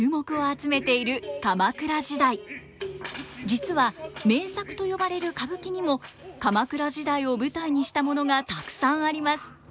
実は名作と呼ばれる歌舞伎にも鎌倉時代を舞台にしたものがたくさんあります。